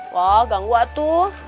wah gangguan tuh